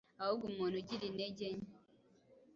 Ahubwo umuntu ugira intege nke